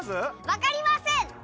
わかりません。